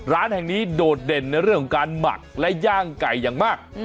ร้านแห่งนี้โดดเด่นในเรื่องของการหมักและย่างไก่อย่างมาก